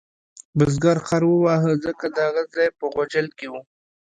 بزګر خر وواهه ځکه د هغه ځای په غوجل کې و.